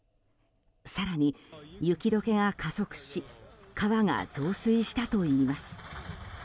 更に雪解けが加速し川が増水したといいます。